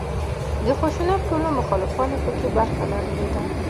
د خشونت ټولو مخالفانو په کې برخه لرلې ده.